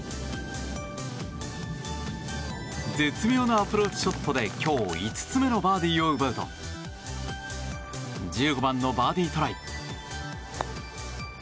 絶妙なアプローチショットで今日５つ目のバーディーを奪うと１５番のバーディートライ。